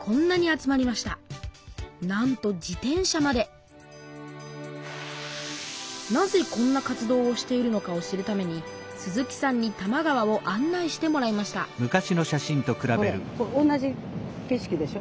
なんと自転車までなぜこんな活動をしているのかを知るために鈴木さんに多摩川を案内してもらいましたこれ同じ景色でしょ。